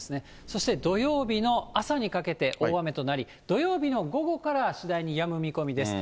そして土曜日の朝にかけて、大雨となり、土曜日の午後から次第にやむ見込みです。